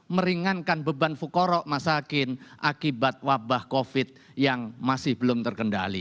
meringankan beban fukara wal masyakin akibat wabah covid yang masih belum terkendali